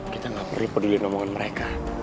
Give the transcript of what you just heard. kita gak perlu peduli ngomongan mereka